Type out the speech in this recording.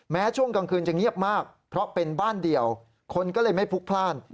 ช่วงกลางคืนจะเงียบมากเพราะเป็นบ้านเดียวคนก็เลยไม่พลุกพลาด